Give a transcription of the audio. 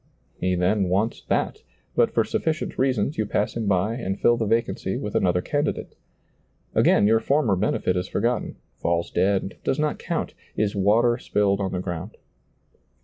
He then wants that, but for sufficient reasons you pass him by and fill the vacancy with another candidate. Again your former benefit is forgotten, &lls dead, does not count, is water spilled on the ground.